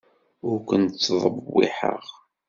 Ur ken-ttdewwiḥeɣ.